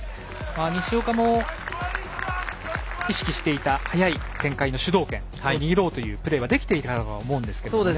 西岡も意識していた早い展開の主導権を握ろうというプレーはできていたと思うんですけどね。